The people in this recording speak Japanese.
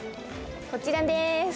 こちらでーす！